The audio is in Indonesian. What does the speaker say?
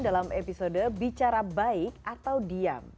dalam episode bicara baik atau diam